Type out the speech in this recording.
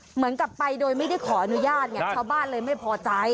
เหมือนกับไปโดยไม่ได้ขออนุญาตไงชาวบ้านเลยไม่พอใจ